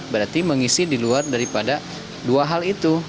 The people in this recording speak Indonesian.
berarti mengisi di luar daripada dua hal itu